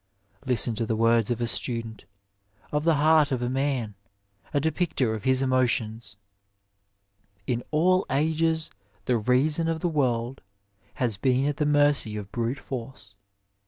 Listen to the words of a student of the heart of man, a depictor of his emotions :'' In all ages the reason of the world has been at the mercy of brute force.